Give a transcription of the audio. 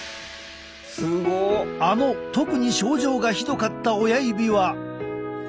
あの特に症状がひどかった親指は。